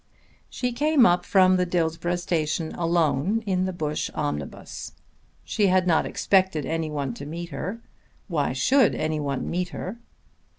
She came up from the Dillsborough Station alone in the Bush omnibus. She had not expected any one to meet her. Why should any one meet her?